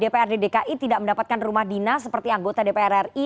oke pak taufik dpr dki tidak mendapatkan rumah dinas seperti anggota dpr ri